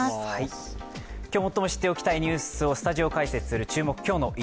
今日、最も知っておきたいニュースをスタジオ解説する「イチメン」です。